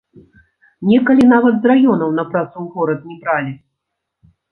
Некалі нават з раёнаў на працу ў горад не бралі.